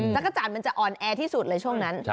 จักรจันทร์มันจะอ่อนแอที่สุดเลยช่วงนั้น